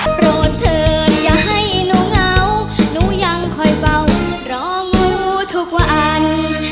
โปรดเถิดอย่าให้หนูเหงาหนูยังคอยเบารองูทุกวัน